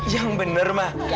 yang bener ma